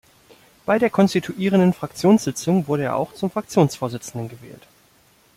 Bei der konstituierenden Fraktionssitzung wurde er auch zum Fraktionsvorsitzenden gewählt.